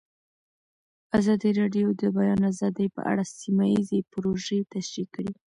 ازادي راډیو د د بیان آزادي په اړه سیمه ییزې پروژې تشریح کړې.